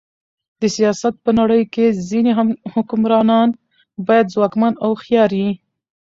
د سیاست په نړۍ کښي ځيني حکمرانان باید ځواکمن او هوښیار يي.